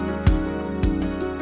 mbak catherine kita mau ke rumah